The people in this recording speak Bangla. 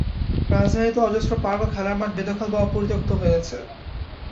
রাজধানীতে অজস্র পার্ক ও খেলার মাঠ বেদখল বা পরিত্যক্ত হয়ে আছে।